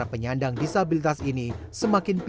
eh ternyata bisa pak